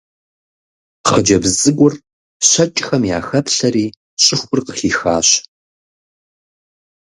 Хъыджэбз цӀыкӀур щэкӀхэм яхэплъэри щӀыхур къыхихащ.